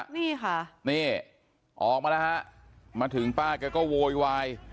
นี่ค่ะนี่ออกมาแล้วฮะมาถึงป้าแกก็โวยวาย